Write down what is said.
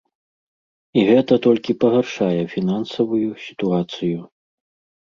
І гэта толькі пагаршае фінансавую сітуацыю.